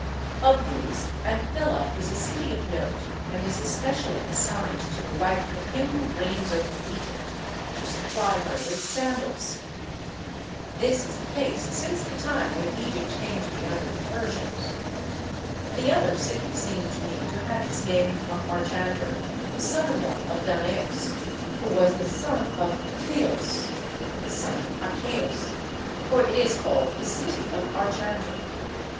Of these Anthylla is a city of note and is especially assigned to the wife of him who reigns over Egypt, to supply her with sandals, (this is the case since the time when Egypt came to be under the Persians): the other city seems to me to have its name from Archander the son in law of Danaos, who was the son of Phthios, the son of Achaios; for it is called the City of Archander.